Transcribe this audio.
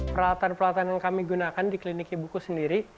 peralatan peralatan yang kami gunakan di klinik ibuku sendiri